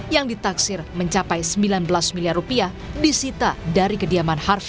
yang ditaksir mencapai rp sembilan belas miliar disita dari kediaman harvey